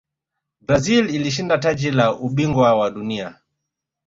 brazil ilishinda taji la ubingwa wa dunia